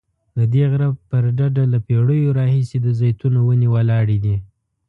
ددې غره پر ډډه له پیړیو راهیسې د زیتونو ونې ولاړې دي.